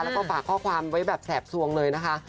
แล้วก็ฝากข้อความไว้แบบแสบสวงเลยนะคะ